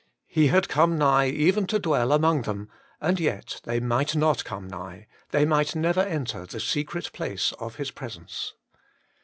He had come nigh even to dwell among them ; and yet they might not come nigh, they might never enter the secret place of His presence.